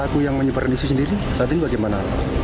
aku yang menyebarin diri sendiri saat ini bagaimana